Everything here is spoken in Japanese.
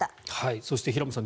そして、平元さん